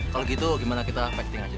kalau gitu gimana kita facting aja